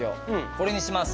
これにします。